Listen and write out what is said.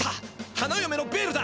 花嫁のベールだ！